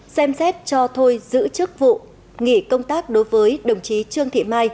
xem xét cho thôi giữ chức vụ nghỉ công tác đối với đồng chí trương thị mai